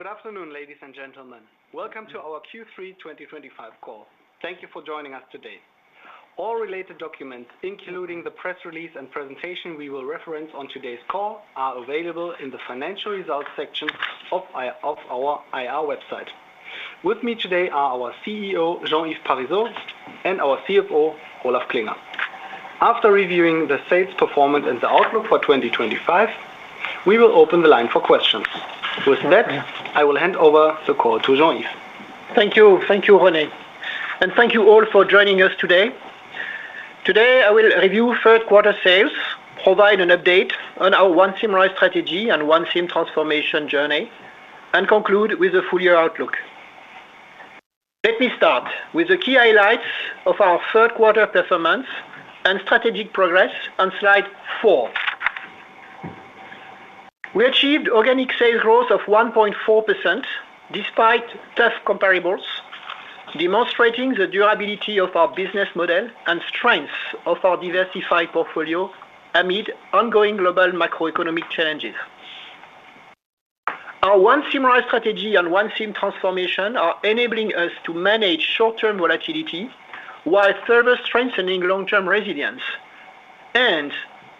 Good afternoon, ladies and gentlemen. Welcome to our Q3 2025 call. Thank you for joining us today. All related documents, including the press release and presentation we will reference on today's call, are available in the financial results section of our IR website. With me today are our CEO, Jean-Yves Parisot, and our CFO, Olaf Klinger. After reviewing the sales performance and the outlook for 2025, we will open the line for questions. With that, I will hand over the call to Jean-Yves. Thank you. Thank you, René. Thank you all for joining us today. Today, I will review third-quarter sales, provide an update on our ONE Symrise Strategy and ONE SYM Transformation journey, and conclude with the full-year outlook. Let me start with the key highlights of our third-quarter performance and strategic progress on slide four. We achieved organic sales growth of 1.4% despite tough comparables, demonstrating the durability of our business model and strengths of our diversified portfolio amid ongoing global macroeconomic challenges. Our ONE Symrise Strategy and ONE SYM Transformation are enabling us to manage short-term volatility while further strengthening long-term resilience.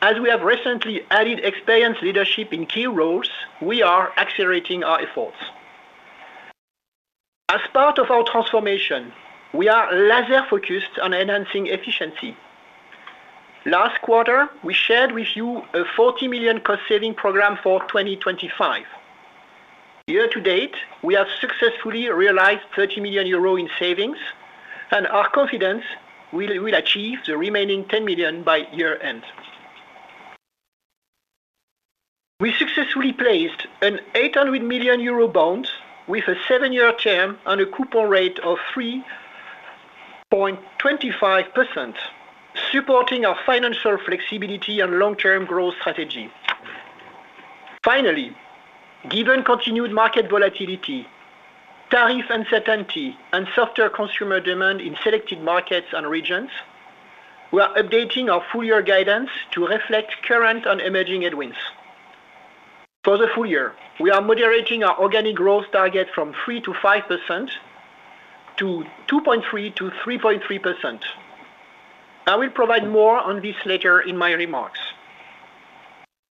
As we have recently added experienced leadership in key roles, we are accelerating our efforts. As part of our transformation, we are laser-focused on enhancing efficiency. Last quarter, we shared with you a 40 million cost-saving program for 2025. Year to date, we have successfully realized 30 million euro in savings and are confident we will achieve the remaining 10 million by year-end. We successfully placed an 800 million euro bond with a seven-year term and a coupon rate of 3.25%, supporting our financial flexibility and long-term growth strategy. Finally, given continued market volatility, tariff uncertainty, and softer consumer demand in selected markets and regions, we are updating our full-year guidance to reflect current and emerging headwinds. For the full year, we are moderating our organic growth target from 3% - 5% to 2.3% - 3.3%. I will provide more on this later in my remarks.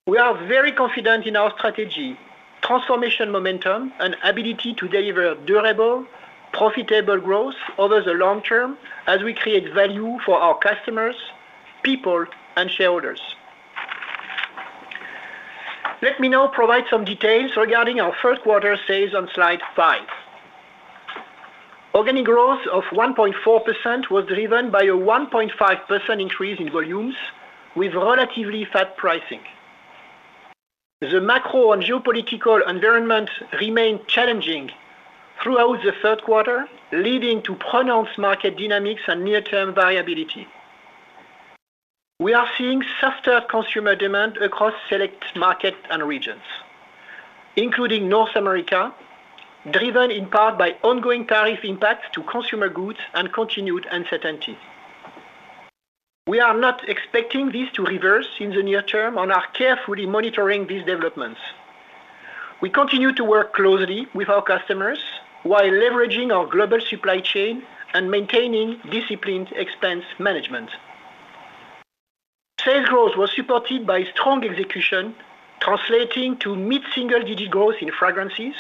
We are very confident in our strategy, transformation momentum, and ability to deliver durable, profitable growth over the long term as we create value for our customers, people, and shareholders. Let me now provide some details regarding our third-quarter sales on slide five. Organic growth of 1.4% was driven by a 1.5% increase in volumes with relatively flat pricing. The macro and geopolitical environment remained challenging throughout the third quarter, leading to pronounced market dynamics and near-term variability. We are seeing softer consumer demand across select markets and regions, including North America, driven in part by ongoing tariff impacts to consumer goods and continued uncertainty. We are not expecting this to reverse in the near term and are carefully monitoring these developments. We continue to work closely with our customers while leveraging our global supply chain and maintaining disciplined expense management. Sales growth was supported by strong execution, translating to mid-single-digit growth in fragrances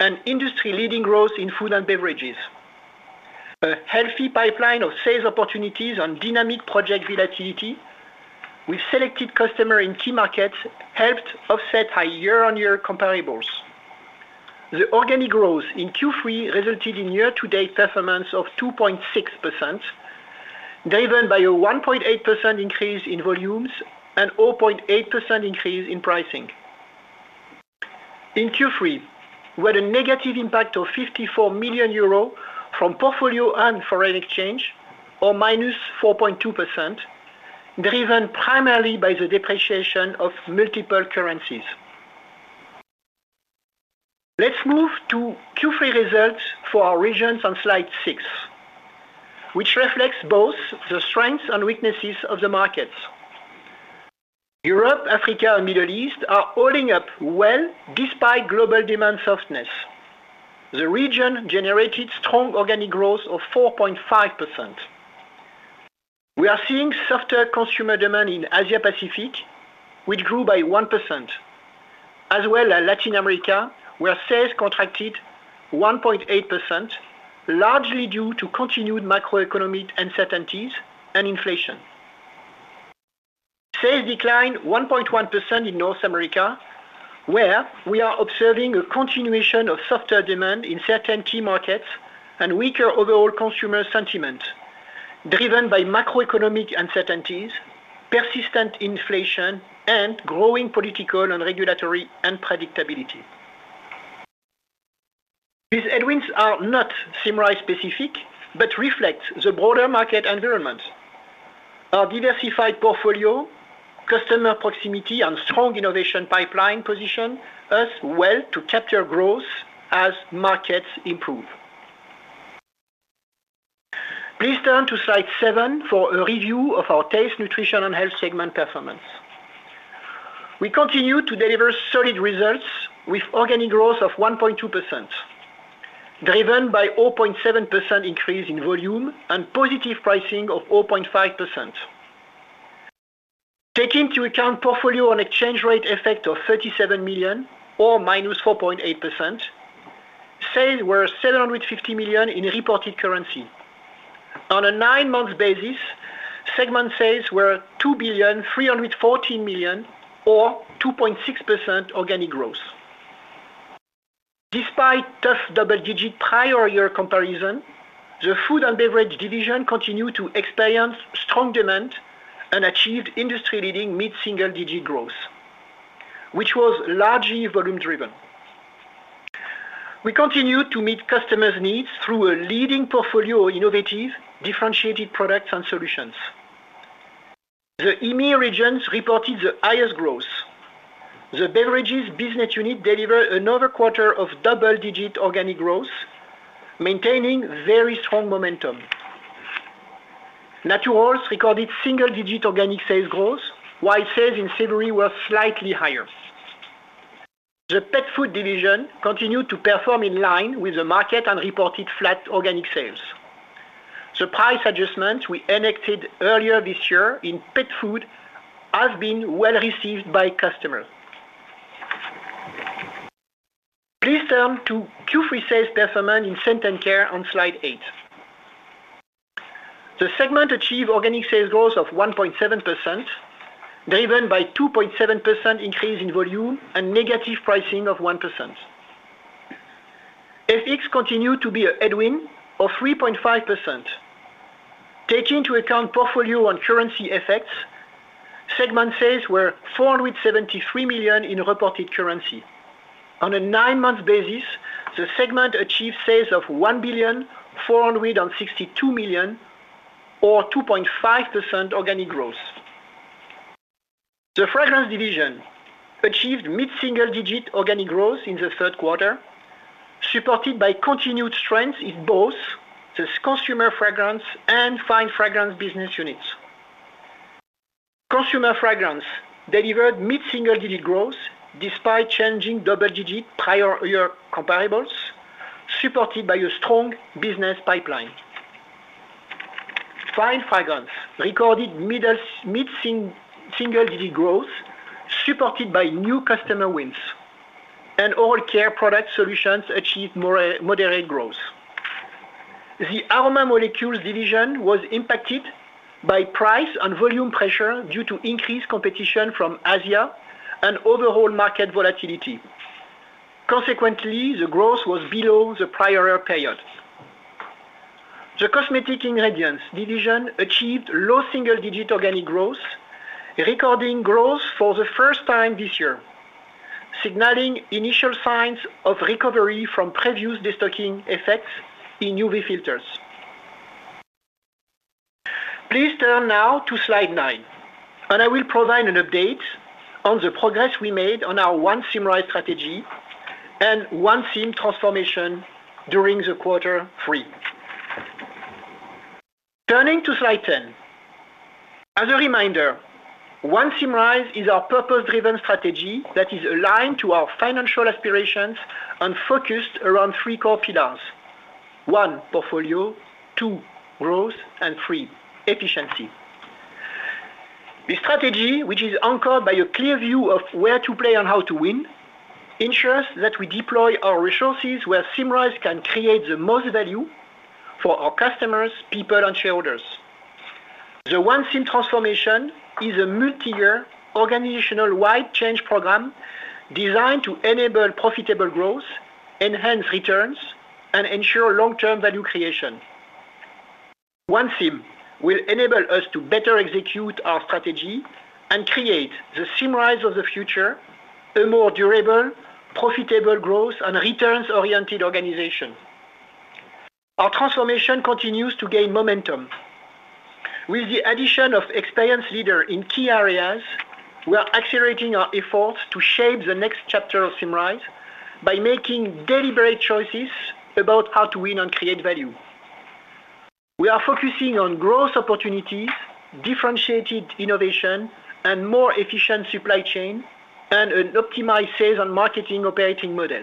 and industry-leading growth in food and beverages. A healthy pipeline of sales opportunities and dynamic project reliability with selected customers in key markets helped offset our year-on-year comparables. The organic growth in Q3 resulted in year-to-date performance of 2.6%, driven by a 1.8% increase in volumes and 0.8% increase in pricing. In Q3, we had a negative impact of 54 million euros from portfolio and foreign exchange, or -4.2%, driven primarily by the depreciation of multiple currencies. Let's move to Q3 results for our regions on slide six, which reflects both the strengths and weaknesses of the markets. Europe, Africa, and the Middle East are holding up well despite global demand softness. The region generated strong organic growth of 4.5%. We are seeing softer consumer demand in Asia-Pacific, which grew by 1%, as well as Latin America, where sales contracted 1.8%, largely due to continued macroeconomic uncertainties and inflation. Sales declined 1.1% in North America, where we are observing a continuation of softer demand in certain key markets and weaker overall consumer sentiment, driven by macroeconomic uncertainties, persistent inflation, and growing political and regulatory unpredictability. These headwinds are not Symrise-specific but reflect the broader market environment. Our diversified portfolio, customer proximity, and strong innovation pipeline position us well to capture growth as markets improve. Please turn to slide seven for a review of our taste, nutrition, and health segment performance. We continue to deliver solid results with organic growth of 1.2%, driven by a 0.7% increase in volume and positive pricing of 0.5%. Taking into account portfolio and exchange rate effect of 37 million, or -4.8%, sales were 750 million in reported currency. On a nine-month basis, segment sales were 2,314 million, or 2.6% organic growth. Despite tough double-digit prior year comparison, the food and beverage division continued to experience strong demand and achieved industry-leading mid-single-digit growth, which was largely volume-driven. We continue to meet customers' needs through a leading portfolio of innovative, differentiated products and solutions. The EMEA regions reported the highest growth. The beverages business unit delivered another quarter of double-digit organic growth, maintaining very strong momentum. Naturals recorded single-digit organic sales growth, while sales in savory were slightly higher. The Pet food division continued to perform in line with the market and reported flat organic sales. The price adjustments we enacted earlier this year in Pet food have been well received by customers. Please turn to Q3 sales performance in Scent & Care on slide eight. The segment achieved organic sales growth of 1.7%, driven by a 2.7% increase in volume and negative pricing of 1%. FX continued to be a headwind of 3.5%. Taking into account portfolio and currency effects, segment sales were 473 million in reported currency. On a nine-month basis, the segment achieved sales of 1,462,000,000, or 2.5% organic growth. The fragrance division achieved mid-single-digit organic growth in the third quarter, supported by continued strengths in both the consumer fragrance and fine fragrance business units. Consumer fragrance delivered mid-single-digit growth despite challenging double-digit prior year comparables, supported by a strong business pipeline. Fine fragrance recorded mid-single-digit growth, supported by new customer wins, and oral care product solutions achieved moderate growth. The aroma molecules division was impacted by price and volume pressure due to increased competition from Asia and overall market volatility. Consequently, the growth was below the prior year period. The cosmetic ingredients division achieved low single-digit organic growth, recording growth for the first time this year, signaling initial signs of recovery from previous destocking effects in UV filters. Please turn now to slide nine, and I will provide an update on the progress we made on our ONE Symrise Strategy and ONE SYM Transformation during the quarter three. Turning to slide ten. As a reminder, ONE Symrise is our purpose-driven strategy that is aligned to our financial aspirations and focused around three core pillars: one, portfolio; two, growth; and three, efficiency. The strategy, which is anchored by a clear view of where to play and how to win, ensures that we deploy our resources where Symrise can create the most value for our customers, people, and shareholders. The ONE SYM Transformation is a multi-year organizational-wide change program designed to enable profitable growth, enhance returns, and ensure long-term value creation. ONE SYM will enable us to better execute our strategy and create the Symrise of the future, a more durable, profitable growth, and returns-oriented organization. Our transformation continues to gain momentum. With the addition of experienced leaders in key areas, we are accelerating our efforts to shape the next chapter of Symrise by making deliberate choices about how to win and create value. We are focusing on growth opportunities, differentiated innovation, a more efficient supply chain, and an optimized sales and marketing operating model.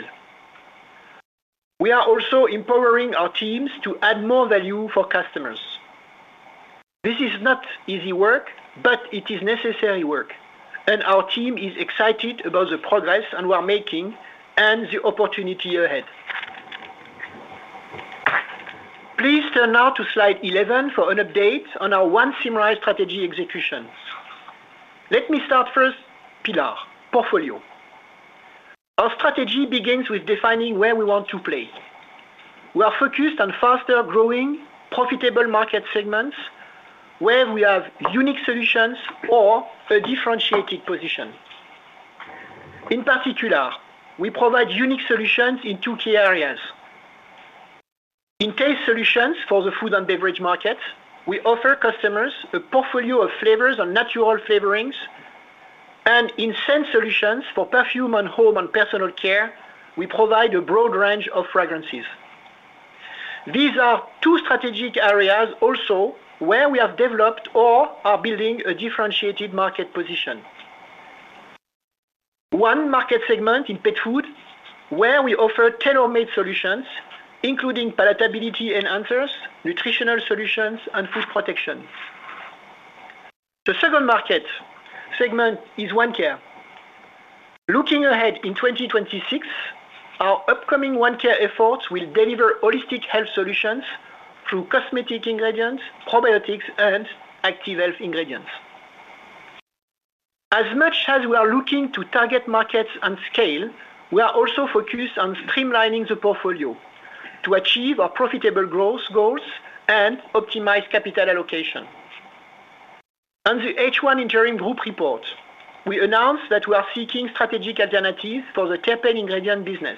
We are also empowering our teams to add more value for customers. This is not easy work, but it is necessary work, and our team is excited about the progress we are making and the opportunity ahead. Please turn now to slide 11 for an update on our ONE Symrise Strategy execution. Let me start first: pillar, portfolio. Our strategy begins with defining where we want to play. We are focused on faster, growing, profitable market segments where we have unique solutions or a differentiated position. In particular, we provide unique solutions in two key areas. In taste solutions for the food and beverage markets, we offer customers a portfolio of flavors and natural flavorings, and in scent solutions for perfume and home and personal care, we provide a broad range of fragrances. These are two strategic areas also where we have developed or are building a differentiated market position. One market segment in Pet food, where we offer tailor-made solutions, including palatability enhancers, nutritional solutions, and food protection. The second market segment is one care. Looking ahead in 2026, our upcoming one care efforts will deliver holistic health solutions through cosmetic ingredients, probiotics, and active health ingredients. As much as we are looking to target markets and scale, we are also focused on streamlining the portfolio to achieve our profitable growth goals and optimize capital allocation. On the H1 interim group report, we announced that we are seeking strategic alternatives for the terpene ingredient business.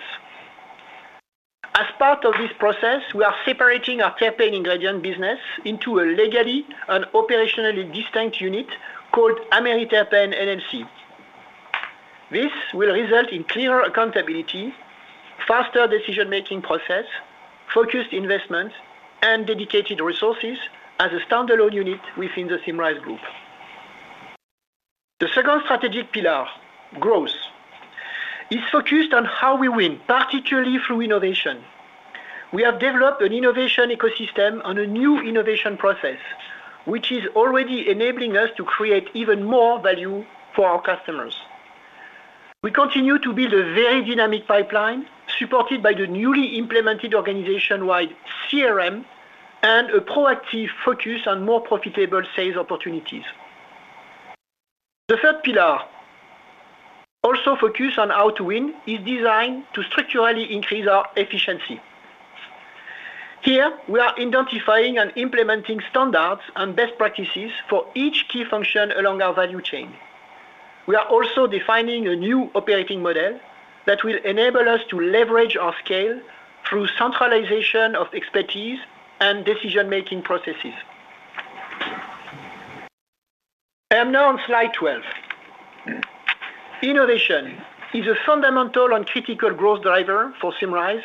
As part of this process, we are separating our terpene ingredient business into a legally and operationally distinct unit called AmeriTerpenes, LLC. This will result in clearer accountability, faster decision-making process, focused investments, and dedicated resources as a standalone unit within the Symrise group. The second strategic pillar, growth, is focused on how we win, particularly through innovation. We have developed an innovation ecosystem and a new innovation process, which is already enabling us to create even more value for our customers. We continue to build a very dynamic pipeline supported by the newly implemented organization-wide CRM and a proactive focus on more profitable sales opportunities. The third pillar, also focused on how to win, is designed to structurally increase our efficiency. Here, we are identifying and implementing standards and best practices for each key function along our value chain. We are also defining a new operating model that will enable us to leverage our scale through centralization of expertise and decision-making processes. I am now on slide 12. Innovation is a fundamental and critical growth driver for Symrise,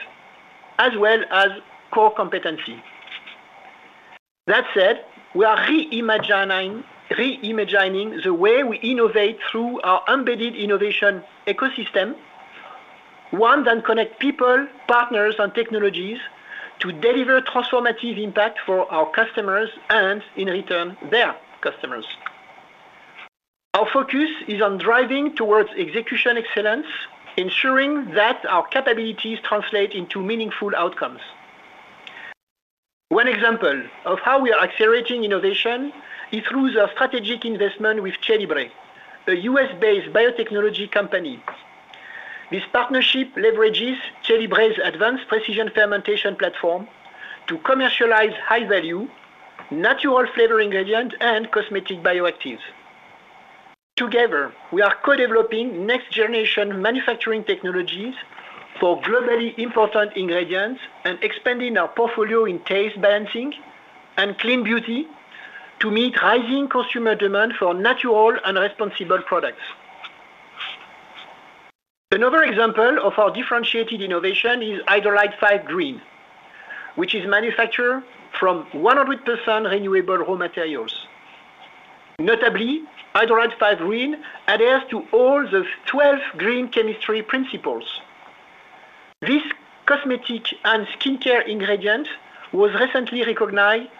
as well as core comPetency. That said, we are reimagining the way we innovate through our embedded innovation ecosystem, one that connects people, partners, and technologies to deliver transformative impact for our customers and, in return, their customers. Our focus is on driving towards execution excellence, ensuring that our capabilities translate into meaningful outcomes. One example of how we are accelerating innovation is through the strategic investment with Cellibre, a U.S.-based biotechnology company. This partnership leverages Cellibre's advanced precision fermentation platform to commercialize high-value natural flavor ingredients and cosmetic bioactives. Together, we are co-developing next-generation manufacturing technologies for globally important ingredients and expanding our portfolio in taste balancing and clean beauty to meet rising consumer demand for natural and responsible products. Another example of our differentiated innovation is Hydrolite 5 green which is manufactured from 100% renewable raw materials. Notably, Hydrolite 5 green adheres to all the 12 green chemistry principles. This cosmetic and skincare ingredient was recently recognized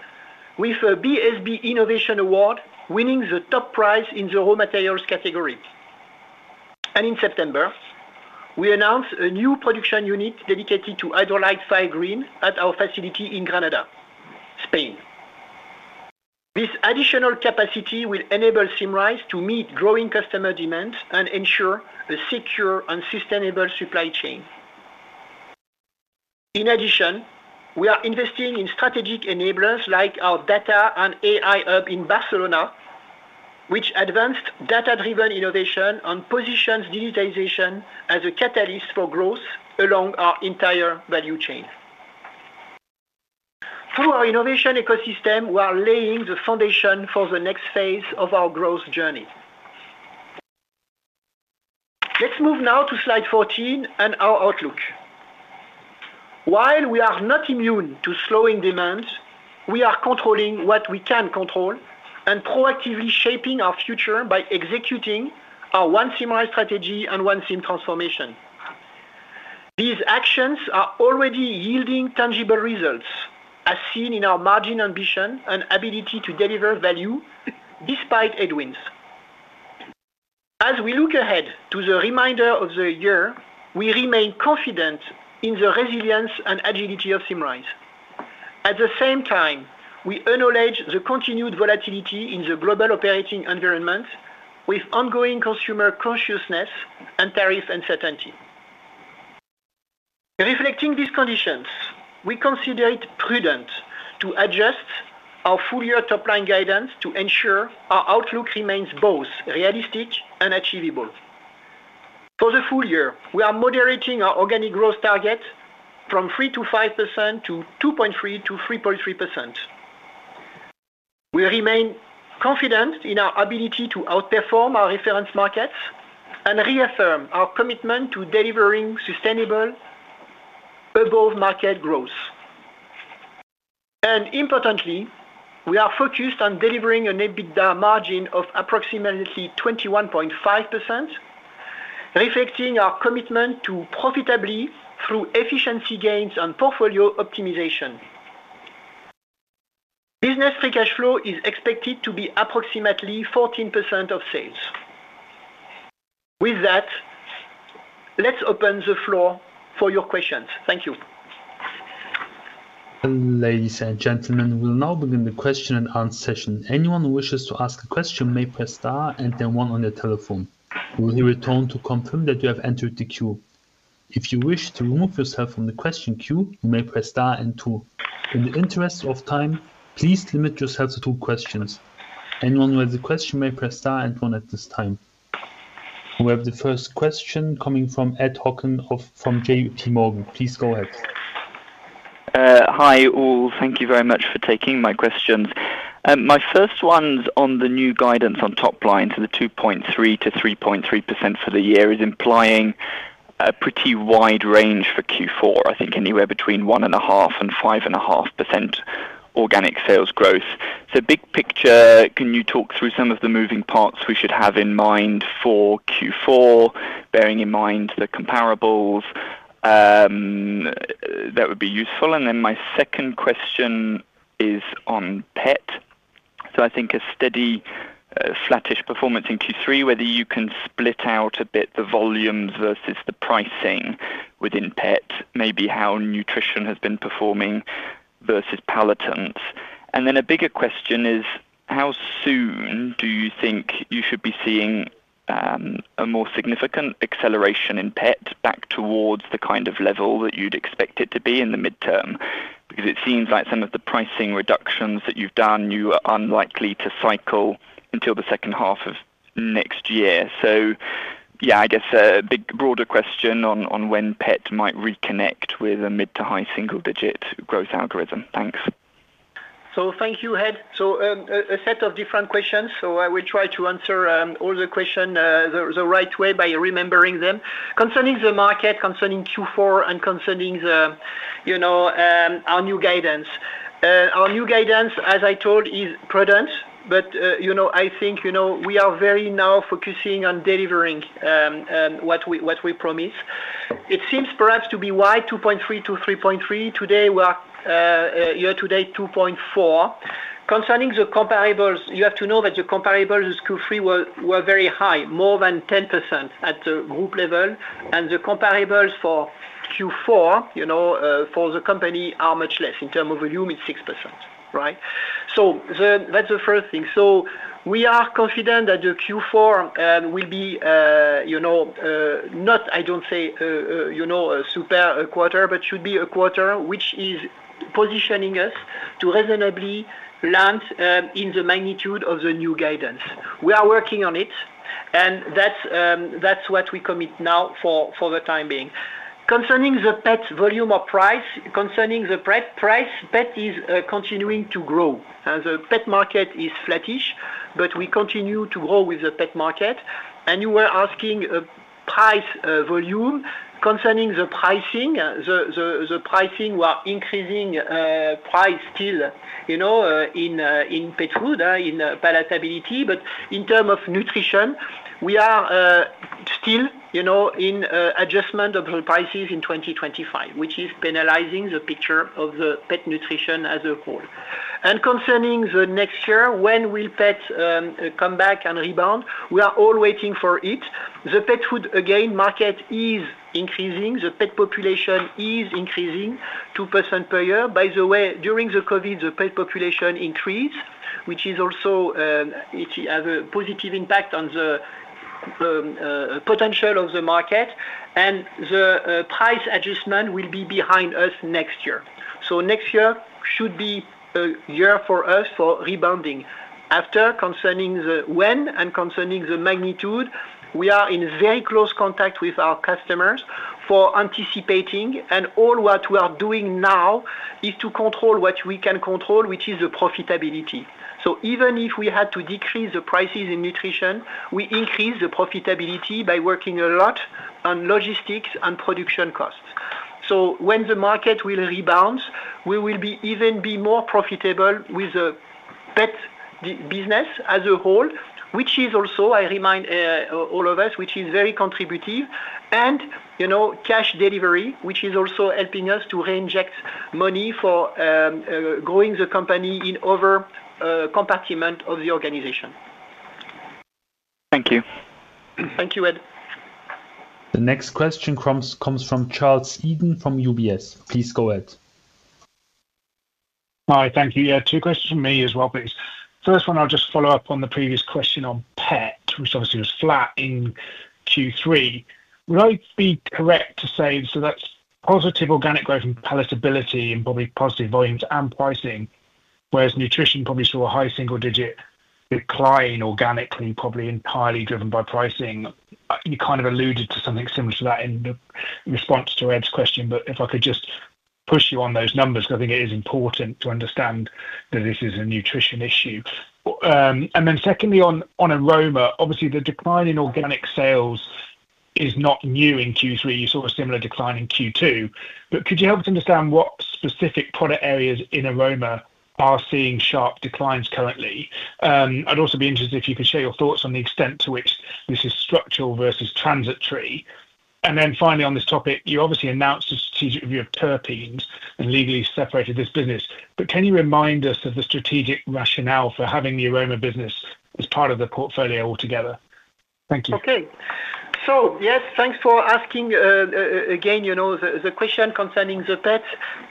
with a BSB Innovation Award, winning the top prize in the raw materials category. In September, we announced a new production unit dedicated to Hydrolite 5 green at our facility in Granada, Spain. This additional capacity will enable Symrise to meet growing customer demand and ensure a secure and sustainable supply chain. In addition, we are investing in strategic enablers like our data and AI hub in Barcelona, which advanced data-driven innovation and positions digitization as a catalyst for growth along our entire value chain. Through our innovation ecosystem, we are laying the foundation for the next phase of our growth journey. Let's move now to slide 14 and our outlook. While we are not immune to slowing demands, we are controlling what we can control and proactively shaping our future by executing our ONE Symrise Strategy and ONE SYM Transformation. These actions are already yielding tangible results, as seen in our margin ambition and ability to deliver value despite headwinds. As we look ahead to the remainder of the year, we remain confident in the resilience and agility of Symrise. At the same time, we acknowledge the continued volatility in the global operating environment with ongoing consumer consciousness and tariff uncertainty. Reflecting these conditions, we consider it prudent to adjust our full-year top-line guidance to ensure our outlook remains both realistic and achievable. For the full year, we are moderating our organic growth target from 3% - 5% to 2.3% - 3.3%. We remain confident in our ability to outperform our reference markets and reaffirm our commitment to delivering sustainable, above-market growth. Importantly, we are focused on delivering an EBITDA margin of approximately 21.5%, reflecting our commitment to profitability through efficiency gains and portfolio optimization. Business free cash flow is expected to be approximately 14% of sales. With that, let's open the floor for your questions. Thank you. Ladies and gentlemen, we will now begin the question and answer session. Anyone who wishes to ask a question may press star and then one on their telephone. We will return to confirm that you have entered the queue. If you wish to remove yourself from the question queue, you may press star and two. In the interest of time, please limit yourself to two questions. Anyone who has a question may press star and one at this time. We have the first question coming from Ed Hockin from JPMorgan. Please go ahead. Hi, all. Thank you very much for taking my questions. My first one's on the new guidance on top lines of the 2.3% - 3.3% for the year, is implying a pretty wide range for Q4. I think anywhere between 1.5% and 5.5% organic sales growth. Big picture, can you talk through some of the moving parts we should have in mind for Q4, bearing in mind the comparables? That would be useful. My second question is on Pet. I think a steady flattish performance in Q3, whether you can split out a bit the volumes versus the pricing within Pet, maybe how nutrition has been performing versus palatants. A bigger question is, how soon do you think you should be seeing a more significant acceleration in Pet back towards the kind of level that you'd expect it to be in the midterm? It seems like some of the pricing reductions that you've done, you are unlikely to cycle until the second half of next year. I guess a big broader question on when Pet might reconnect with a mid to high single-digit growth algorithm. Thanks. Thank you, Ed. A set of different questions. I will try to answer all the questions the right way by remembering them. Concerning the market, concerning Q4, and concerning our new guidance, our new guidance, as I told, is prudent, but I think we are very now focusing on delivering what we promise. It seems perhaps to be why 2.3% - 3.3%. Today, we are year-to-date 2.4%. Concerning the comparables, you have to know that the comparables of Q3 were very high, more than 10% at the group level. The comparables for Q4 for the company are much less. In terms of volume, it's 6%, right? That's the first thing. We are confident that Q4 will be not, I don't say, a super quarter, but should be a quarter which is positioning us to reasonably land in the magnitude of the new guidance. We are working on it, and that's what we commit now for the time being. Concerning the Pet volume or price, concerning the Pet price, Pet is continuing to grow. The Pet market is flattish, but we continue to grow with the Pet market. You were asking a price volume. Concerning the pricing, the pricing was increasing price still in Pet food, in palatability. In terms of nutrition, we are still in adjustment of the prices in 2025, which is penalizing the picture of the Pet nutrition as a whole. Concerning the next year, when will Pet come back and rebound? We are all waiting for it. The Pet food market is increasing. The Pet population is increasing 2% per year. By the way, during COVID, the Pet population increased, which is also a positive impact on the potential of the market. The price adjustment will be behind us next year. Next year should be a year for us for rebounding. After concerning the when and concerning the magnitude, we are in very close contact with our customers for anticipating. All what we are doing now is to control what we can control, which is the profitability. Even if we had to decrease the prices in nutrition, we increased the profitability by working a lot on logistics and production costs. When the market will rebound, we will even be more profitable with the Pet business as a whole, which is also, I remind all of us, very contributive. Cash delivery is also helping us to reinject money for growing the company in other compartments of the organization. Thank you. Thank you, Ed. The next question comes from Charles Eden from UBS. Please go ahead. Hi, thank you. Yeah, two questions from me as well, please. First one, I'll just follow up on the previous question on Pet, which obviously was flat in Q3. Would I be correct to say so that's positive organic growth in palatability and probably positive volumes and pricing, whereas nutrition probably saw a high single-digit decline organically, probably entirely driven by pricing? You kind of alluded to something similar to that in the response to Ed's question, but if I could just push you on those numbers because I think it is important to understand that this is a nutrition issue. Secondly, on aroma, obviously, the decline in organic sales is not new in Q3. You saw a similar decline in Q2. Could you help us understand what specific product areas in aroma are seeing sharp declines currently? I'd also be interested if you could share your thoughts on the extent to which this is structural versus transitory. Finally, on this topic, you obviously announced the strategic review of terpenes and legally separated this business. Can you remind us of the strategic rationale for having the aroma business as part of the portfolio altogether? Thank you. Okay. Yes, thanks for asking. Again, you know the question concerning the Pets,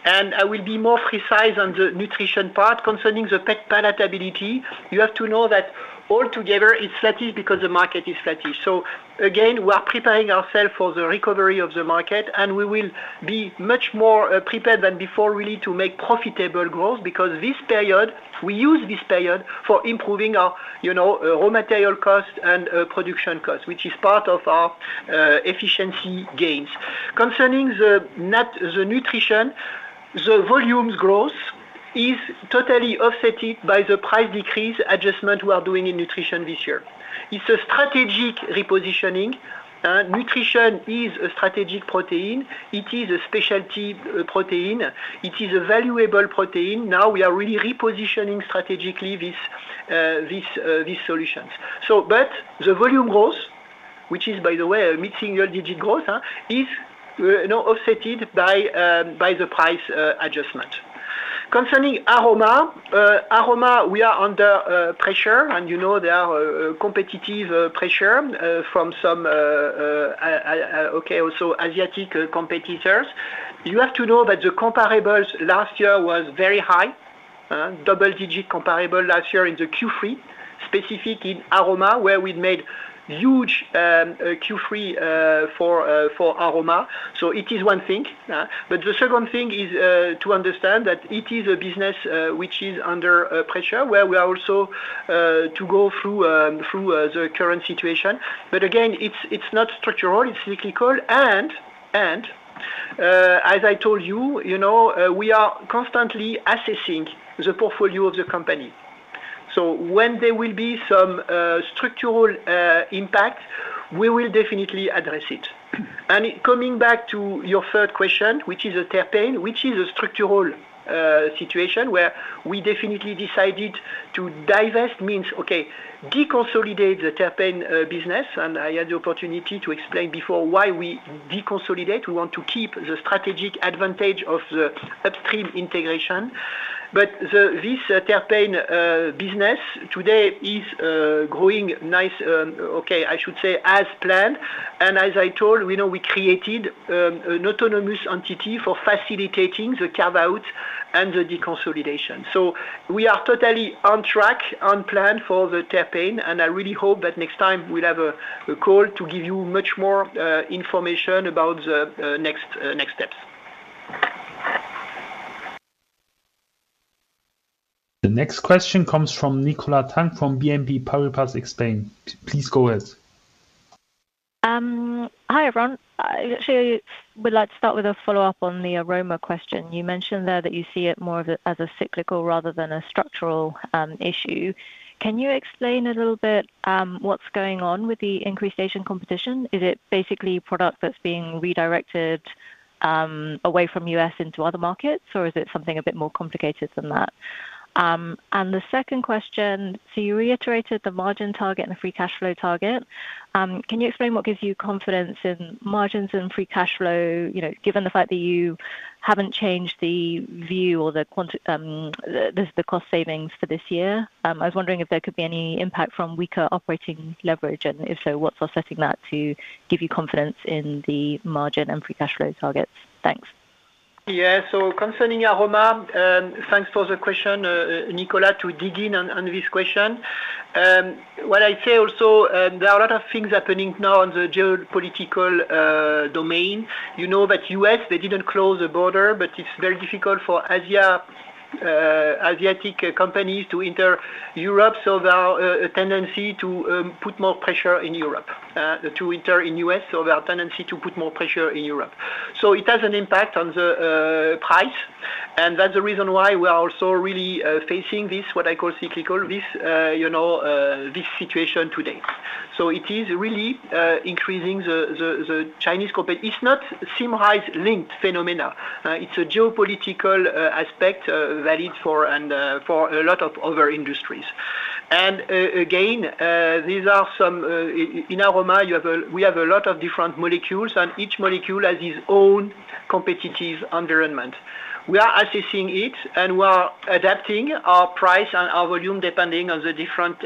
and I will be more precise on the nutrition part. Concerning the Pet palatability, you have to know that altogether it's flatish because the market is flatish. We are preparing ourselves for the recovery of the market, and we will be much more prepared than before, really, to make profitable growth because this period, we use this period for improving our raw material costs and production costs, which is part of our efficiency gains. Concerning the nutrition, the volumes growth is totally offset by the price decrease adjustment we are doing in nutrition this year. It's a strategic repositioning. Nutrition is a strategic protein. It is a specialty protein. It is a valuable protein. Now we are really repositioning strategically these solutions. The volume growth, which is, by the way, a mid-single-digit growth, is offset by the price adjustment. Concerning aroma, we are under pressure, and you know there are competitive pressures from some, also Asiatic competitors. You have to know that the comparables last year were very high, double-digit comparable last year in Q3, specific in aroma, where we made huge Q3 for aroma. It is one thing. The second thing is to understand that it is a business which is under pressure, where we are also to go through the current situation. Again, it's not structural. It's cyclical. As I told you, we are constantly assessing the portfolio of the company. When there will be some structural impact, we will definitely address it. Coming back to your third question, which is a terpene, which is a structural situation where we definitely decided to divest, means deconsolidate the terpene business. I had the opportunity to explain before why we deconsolidate. We want to keep the strategic advantage of the upstream integration. This terpene business today is growing nice, I should say, as planned. As I told, we created an autonomous entity for facilitating the carve-out and the deconsolidation. We are totally on track, on plan for the terpene. I really hope that next time we'll have a call to give you much more information about the next steps. The next question comes from Nicola Tang from BNP Paribas Exane. Please go ahead. Hi, everyone. I actually would like to start with a follow-up on the aroma question. You mentioned there that you see it more as a cyclical rather than a structural issue. Can you explain a little bit what's going on with the increased Asian competition? Is it basically a product that's being redirected away from the U.S. into other markets, or is it something a bit more complicated than that? The second question, you reiterated the margin target and the free cash flow target. Can you explain what gives you confidence in margins and free cash flow, given the fact that you haven't changed the view or the cost savings for this year? I was wondering if there could be any impact from weaker operating leverage, and if so, what's offsetting that to give you confidence in the margin and free cash flow targets? Thanks. Yeah. Concerning aroma, thanks for the question, Nicola, to dig in on this question. What I'd say also, there are a lot of things happening now in the geopolitical domain. You know that U.S., they didn't close the border, but it's very difficult for Asiatic companies to enter Europe. There's a tendency to put more pressure in Europe to enter in the U.S. There's a tendency to put more pressure in Europe. It has an impact on the price. That's the reason why we are also really facing this, what I call cyclical, this situation today. It is really increasing the Chinese competition. It's not a Symrise-linked phenomena. It's a geopolitical aspect valid for a lot of other industries. In aroma, we have a lot of different molecules, and each molecule has its own competitive environment. We are assessing it, and we are adapting our price and our volume depending on the different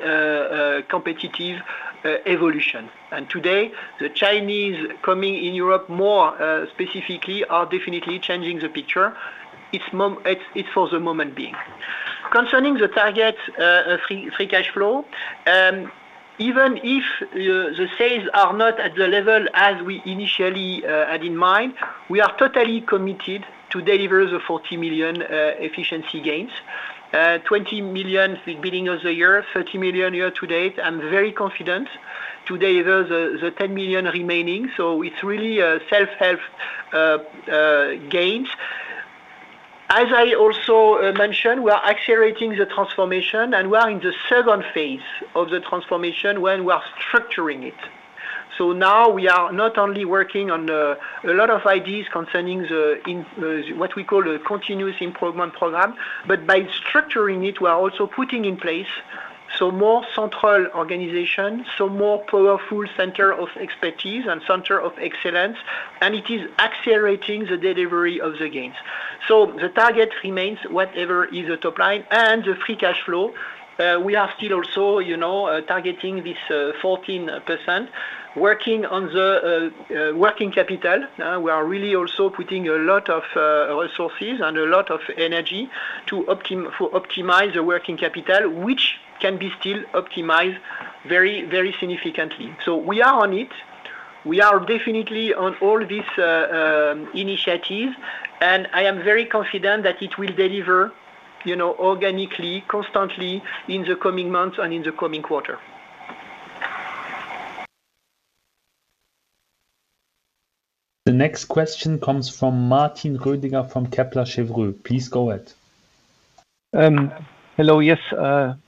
competitive evolution. Today, the Chinese coming in Europe more specifically are definitely changing the picture. It's for the moment being. Concerning the target free cash flow, even if the sales are not at the level as we initially had in mind, we are totally committed to deliver the 40 million efficiency gains, 20 million beginning of the year, 30 million year to date. I'm very confident to deliver the 10 million remaining. It's really self-help gains. As I also mentioned, we are accelerating the transformation, and we are in the second phase of the transformation when we are structuring it. Now we are not only working on a lot of ideas concerning what we call a continuous improvement program, but by structuring it, we are also putting in place some more central organizations, some more powerful centers of expertise and centers of excellence. It is accelerating the delivery of the gains. The target remains whatever is the top line. The free cash flow, we are still also targeting this 14%, working on the working capital. We are really also putting a lot of resources and a lot of energy to optimize the working capital, which can be still optimized very, very significantly. We are on it. We are definitely on all these initiatives. I am very confident that it will deliver organically, constantly in the coming months and in the coming quarter. The next question comes from Martin Roediger from Kepler Cheuvreux. Please go ahead. Hello. Yes,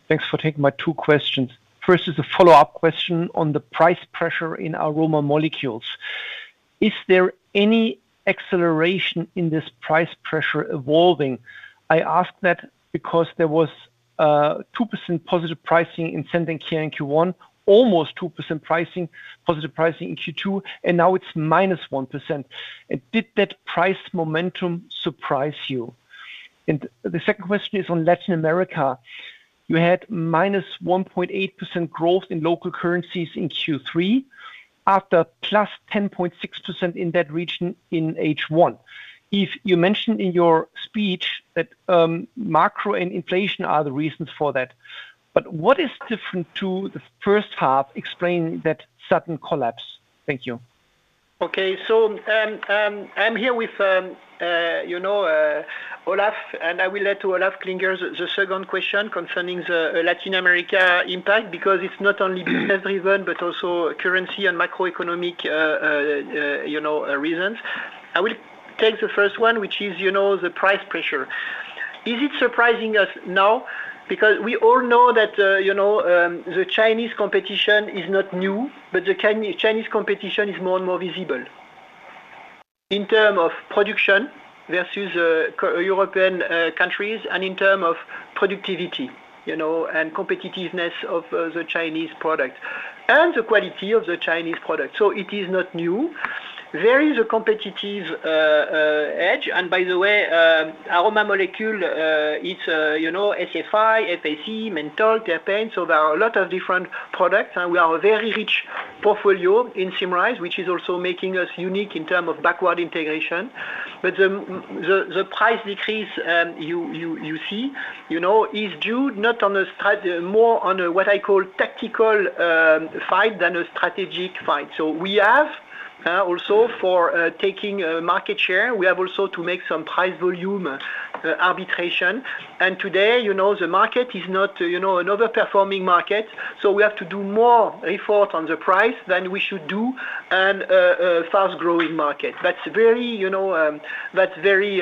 thanks for taking my two questions. First is a follow-up question on the price pressure in aroma molecules. Is there any acceleration in this price pressure evolving? I ask that because there was 2%+ pricing in Scent & Care in Q1, almost 2% pricing in Q2, and now it's -1%. Did that price momentum surprise you? The second question is on Latin America. You had - 1.8% growth in local currencies in Q3 after +10.6% in that region in H1. You mentioned in your speech that macro and inflation are the reasons for that. What is different to the first half? Explain that sudden collapse. Thank you. Okay. I'm here with Olaf, and I will let Olaf Klinger take the second question concerning the Latin America impact because it's not only business-driven, but also currency and macroeconomic reasons. I will take the first one, which is the price pressure. Is it surprising us now? Because we all know that the Chinese competition is not new, but the Chinese competition is more and more visible in terms of production versus European countries and in terms of productivity and competitiveness of the Chinese products and the quality of the Chinese products. It is not new. There is a competitive edge. By the way, aroma molecules, it's SFI, FAC, menthol, terpenes. There are a lot of different products. We have a very rich portfolio in Symrise, which is also making us unique in terms of backward integration. The price decrease you see is due not on a more on what I call tactical fight than a strategic fight. We have also for taking market share, we have also to make some price volume arbitration. Today, the market is not an overperforming market. We have to do more effort on the price than we should do in a fast-growing market. That's very,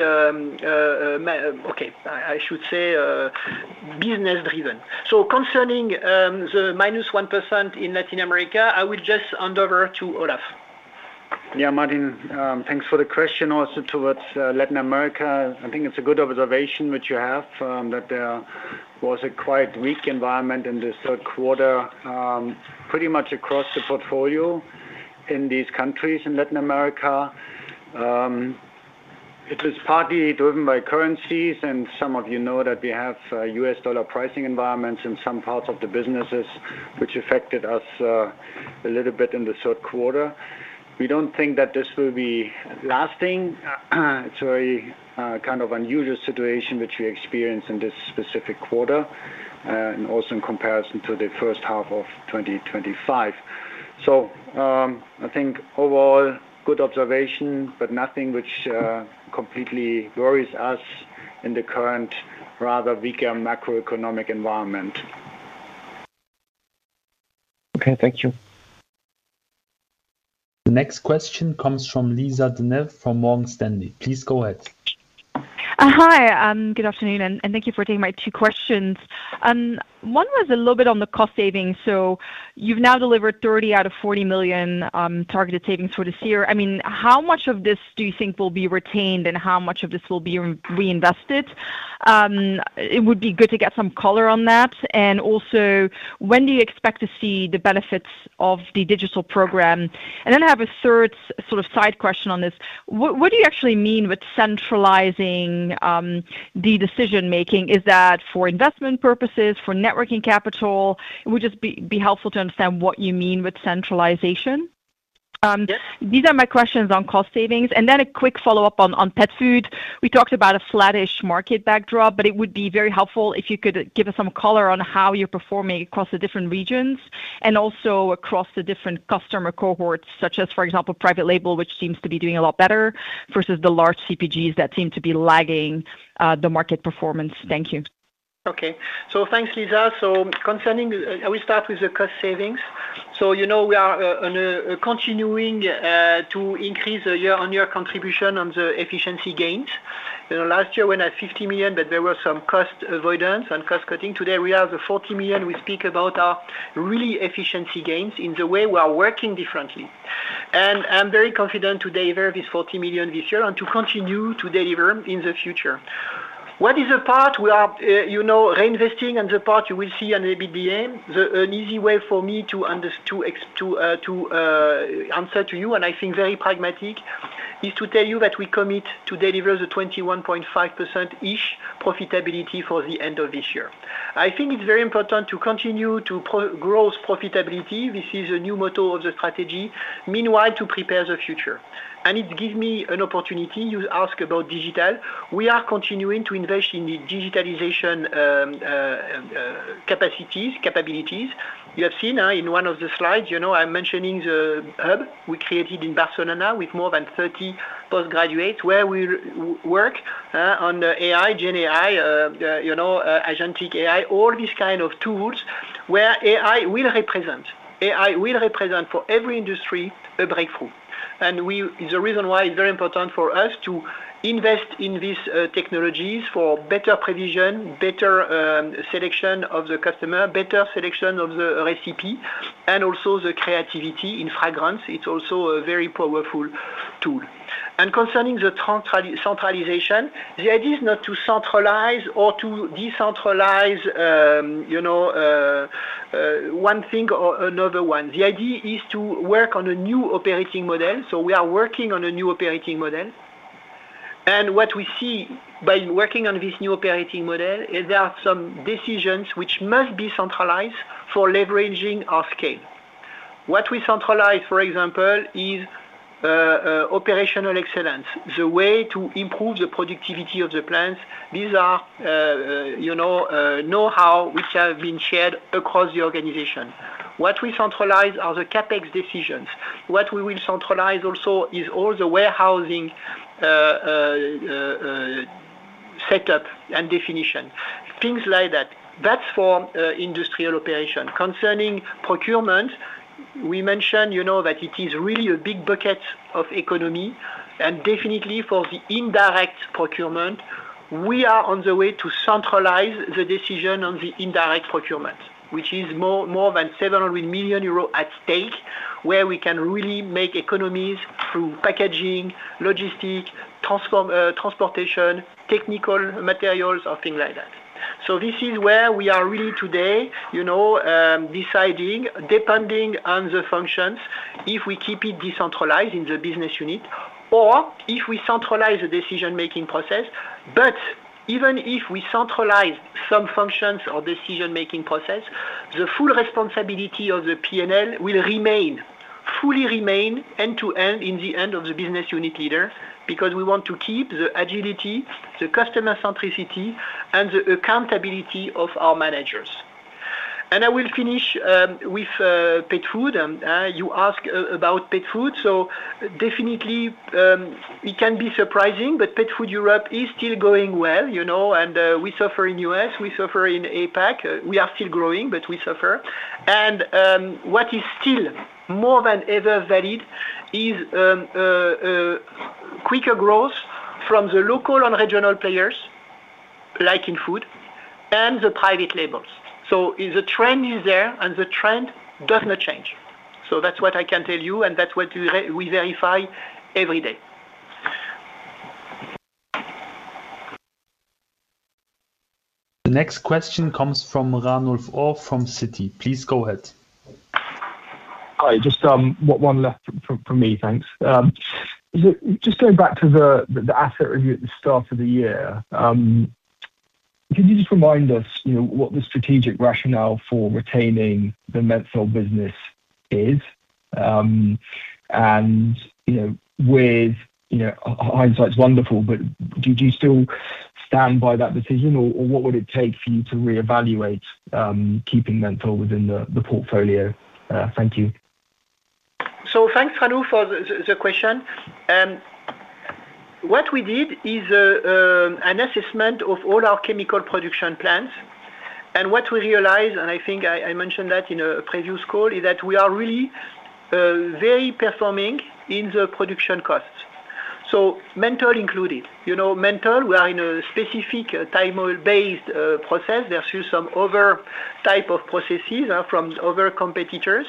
okay, I should say business-driven. Concerning the -1% in Latin America, I would just hand over to Olaf. Yeah, Martin, thanks for the question. Also towards Latin America, I think it's a good observation which you have that there was a quite weak environment in the third quarter pretty much across the portfolio in these countries in Latin America. It was partly driven by currencies, and some of you know that we have U.S. dollar pricing environments in some parts of the businesses which affected us a little bit in the third quarter. We don't think that this will be lasting. It's a very kind of unusual situation which we experienced in this specific quarter and also in comparison to the first half of 2025. I think overall good observation, but nothing which completely worries us in the current rather weaker macroeconomic environment. Okay, thank you. The next question comes from Lisa De Neve from Morgan Stanley. Please go ahead. Hi. Good afternoon, and thank you for taking my two questions. One was a little bit on the cost savings. You've now delivered 30 million out of 40 million targeted savings for this year. How much of this do you think will be retained and how much of this will be reinvested? It would be good to get some color on that. Also, when do you expect to see the benefits of the digital program? I have a third sort of side question on this. What do you actually mean with centralizing the decision-making? Is that for investment purposes, for networking capital? It would just be helpful to understand what you mean with centralization. These are my questions on cost savings. A quick follow-up on Pet food. We talked about a flattish market backdrop, but it would be very helpful if you could give us some color on how you're performing across the different regions and also across the different customer cohorts, such as, for example, private label, which seems to be doing a lot better versus the large CPGs that seem to be lagging the market performance. Thank you. Okay. Thanks, Lisa. I will start with the cost savings. We are continuing to increase the year-on-year contribution on the efficiency gains. Last year, we were at 50 million, but there was some cost avoidance and cost cutting. Today, the 40 million we speak about are really efficiency gains in the way we are working differently. I'm very confident to deliver this 40 million this year and to continue to deliver in the future. What is the part we are reinvesting and the part you will see on ABDM? An easy way for me to answer you, and I think very pragmatic, is to tell you that we commit to deliver the 21.5%-ish profitability for the end of this year. I think it's very important to continue to grow profitability. This is a new model of the strategy, meanwhile, to prepare the future. It gives me an opportunity. You asked about digital. We are continuing to invest in the digitalization capacities, capabilities. You have seen in one of the slides, I'm mentioning the hub we created in Barcelona with more than 30 postgraduates where we work on the AI, GenAI, Agentic AI, all these kinds of tools where AI will represent for every industry a breakthrough. The reason why it's very important for us to invest in these technologies is for better prevision, better selection of the customer, better selection of the recipe, and also the creativity in fragrance. It's also a very powerful tool. Concerning the centralization, the idea is not to centralize or to decentralize one thing or another. The idea is to work on a new operating model. We are working on a new operating model. What we see by working on this new operating model is there are some decisions which must be centralized for leveraging our scale. What we centralize, for example, is operational excellence, the way to improve the productivity of the plants. These are know-how which have been shared across the organization. What we centralize are the CapEx decisions. What we will centralize also is all the warehousing setup and definition, things like that. That's for industrial operation. Concerning procurement, we mentioned that it is really a big bucket of economy. Definitely for the indirect procurement, we are on the way to centralize the decision on the indirect procurement, which is more than 700 million euros at stake where we can really make economies through packaging, logistics, transportation, technical materials, or things like that. This is where we are really today deciding, depending on the functions, if we keep it decentralized in the business unit or if we centralize the decision-making process. Even if we centralize some functions or decision-making process, the full responsibility of the P&L will fully remain end-to-end in the end of the business unit leader because we want to keep the agility, the customer centricity, and the accountability of our managers. I will finish with Pet food. You asked about Pet food. It can be surprising, but Pet food Europe is still going well. We suffer in the U.S. We suffer in APAC. We are still growing, but we suffer. What is still more than ever valid is quicker growth from the local and regional players, like in food, and the private labels. The trend is there, and the trend does not change. That is what I can tell you, and that is what we verify every day. The next question comes from Ranulf Orr from Citi. Please go ahead. Hi. Just one left from me. Thanks. Just going back to the asset review at the start of the year, could you just remind us what the strategic rationale for retaining the menthol business is? With hindsight's wonderful, do you still stand by that decision, or what would it take for you to reevaluate keeping menthol within the portfolio? Thank you. Thanks, Ranulf, for the question. What we did is an assessment of all our chemical production plants. What we realized, and I think I mentioned that in a previous call, is that we are really very performing in the production costs, menthol included. Menthol, we are in a specific thymol-based process versus some other types of processes from other competitors.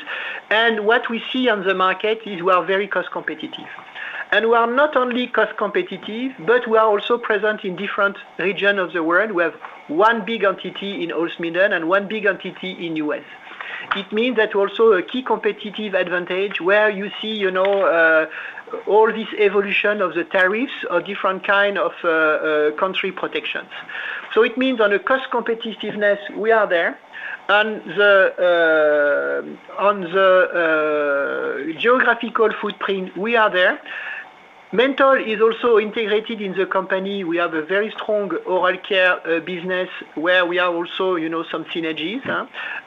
What we see on the market is we are very cost competitive. We are not only cost competitive, but we are also present in different regions of the world. We have one big entity in Holzminden and one big entity in the U.S. It means that also a key competitive advantage where you see all this evolution of the tariffs or different kinds of country protections. It means on a cost competitiveness, we are there. On the geographical footprint, we are there. Menthol is also integrated in the company. We have a very strong oral care business where we have also some synergies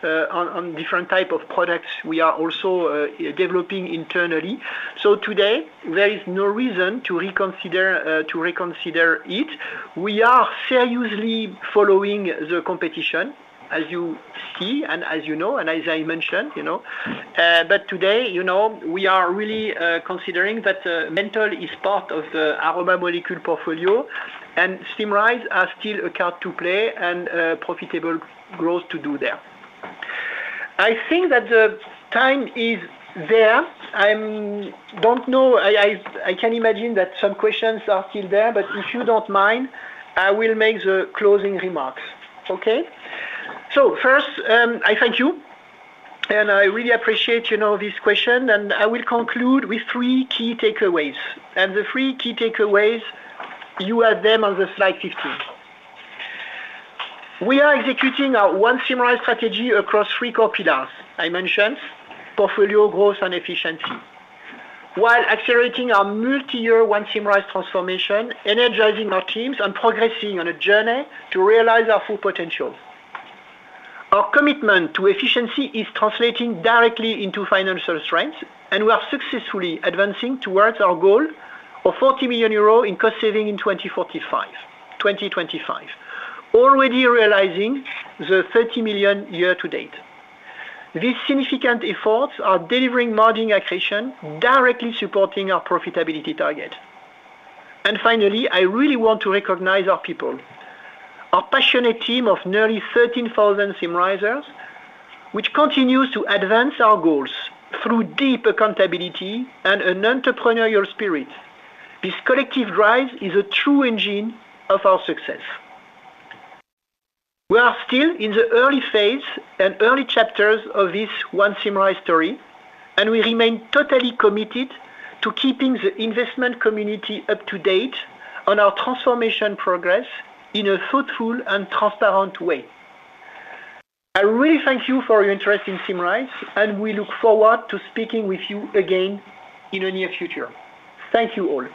on different types of products we are also developing internally. Today, there is no reason to reconsider it. We are seriously following the competition, as you see and as you know and as I mentioned. Today, you know we are really considering that menthol is part of the aroma molecules portfolio, and Symrise are still a card to play and profitable growth to do there. I think that the time is there. I don't know. I can imagine that some questions are still there. If you don't mind, I will make the closing remarks, okay? First, I thank you. I really appreciate this question. I will conclude with three key takeaways. The three key takeaways, you have them on the slide 15. We are executing our ONE Symrise Strategy across three core pillars. I mentioned portfolio, growth, and efficiency. While accelerating our multi-year ONE Symrise Transformation, energizing our teams, and progressing on a journey to realize our full potential. Our commitment to efficiency is translating directly into financial strength, and we are successfully advancing towards our goal of 40 million euros in cost saving in 2025, already realizing the 30 million year to date. These significant efforts are delivering margin accretion directly supporting our profitability target. Finally, I really want to recognize our people, our passionate team of nearly 13,000 Symrisers, which continues to advance our goals through deep accountability and an entrepreneurial spirit. This collective drive is a true engine of our success. We are still in the early phase and early chapters of this ONE Symrise story, and we remain totally committed to keeping the investment community up to date on our transformation progress in a thoughtful and transparent way. I really thank you for your interest in Symrise, and we look forward to speaking with you again in the near future. Thank you all.